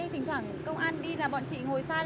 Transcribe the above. tình thẳng công an đi là bọn chị ngồi xa